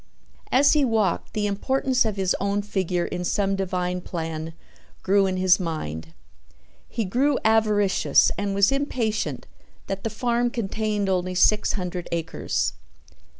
As he walked the importance of his own figure in some divine plan grew in his mind. He grew avaricious and was impatient that the farm contained only six hundred acres.